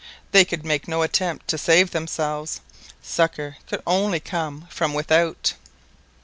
They could make no attempt to save themselves, succour could only come from without.